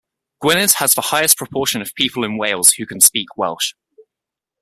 Gwynedd has the highest proportion of people in Wales who can speak Welsh.